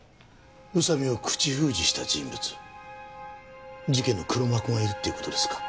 宇佐美を口封じした人物事件の黒幕がいるっていう事ですか？